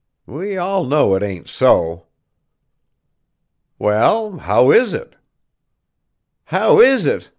We all know it ain't so." "Well, how is it?" "How is it?"